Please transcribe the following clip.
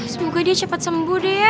semoga dia cepet sembuh deh ya